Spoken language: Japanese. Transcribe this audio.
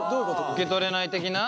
受け取れない的な？